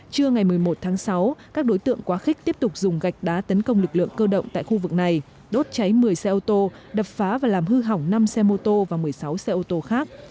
trưa ngày một mươi một tháng sáu các đối tượng quá khích tiếp tục dùng gạch đá tấn công lực lượng cơ động tại khu vực này đốt cháy một mươi xe ô tô đập phá và làm hư hỏng năm xe mô tô và một mươi sáu xe ô tô khác